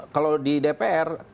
kalau di dpr